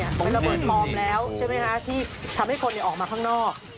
อันนี้คือข้างในเป็นระเบิดพร้อมแล้วที่ทำให้คนออกมาข้างนอก